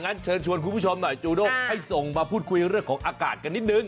เชิญชวนคุณผู้ชมหน่อยจูด้งให้ส่งมาพูดคุยเรื่องของอากาศกันนิดนึง